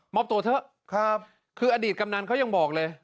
อบตัวเถอะครับคืออดีตกำนันเขายังบอกเลย